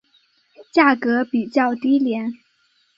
价格比较低廉。